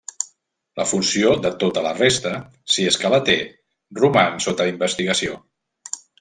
La funció de tota la resta, si és que la té, roman sota investigació.